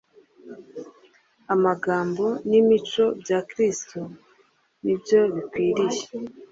Amagambo n’imico bya Kristo ni byo bikwiriye